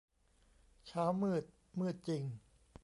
เช้ามืด มืดจริง